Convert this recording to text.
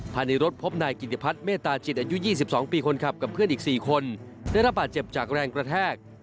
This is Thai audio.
ภายในรถพบนายกิติพัฒนเมตตาจิตอายุ๒๒ปีคนขับกับเพื่อนอีก๔คนได้รับบาดเจ็บจากแรงกระแทก